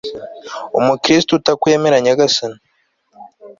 umukristu utakwemera nyagasani